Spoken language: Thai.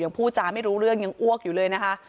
พูดจาไม่รู้เรื่องยังอ้วกอยู่เลยนะคะ